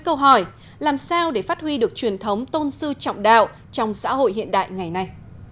câu hỏi làm sao để phát huy được truyền thống tôn sư trọng đạo trong xã hội hiện đại ngày nay